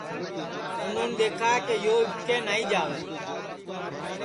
اُنون دیکھا کہ یو اِٻکے نائی جاوے